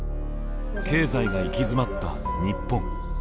経済が行き詰まった日本。